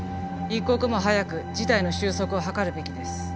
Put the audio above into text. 一刻も早く事態の収束を図るべきです。